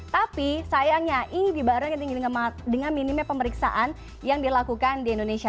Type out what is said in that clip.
tapi sayangnya ini dibarengi dengan minimnya pemeriksaan yang dilakukan di indonesia